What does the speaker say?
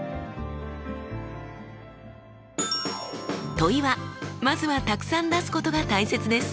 問いはまずはたくさん出すことが大切です。